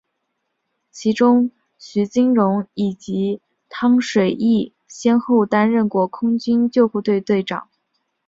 其中徐金蓉以及汤水易先后担任过空军救护队队长。